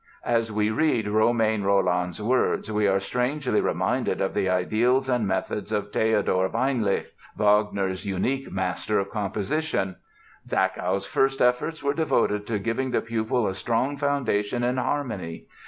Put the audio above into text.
As we read Romain Rolland's words we are strangely reminded of the ideals and methods of Theodor Weinlig, Wagner's unique master of composition: "Zachow's first efforts were devoted to giving the pupil a strong foundation in harmony.